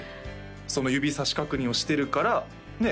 その指さし確認をしてるからねえ？